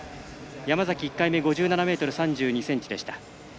山崎は１回目５７ｍ３２ｃｍでした。